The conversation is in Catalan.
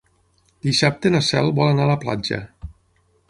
Dissabte na Cel vol anar a la platja.